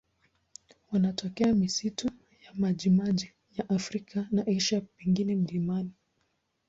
Wanatokea misitu ya majimaji ya Afrika na Asia, pengine milimani.